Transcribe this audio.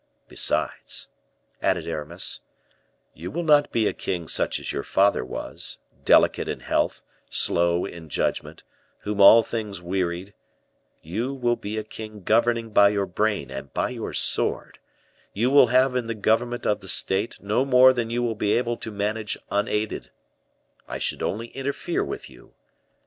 Besides," added Aramis, "you will not be a king such as your father was, delicate in health, slow in judgment, whom all things wearied; you will be a king governing by your brain and by your sword; you will have in the government of the state no more than you will be able to manage unaided; I should only interfere with you.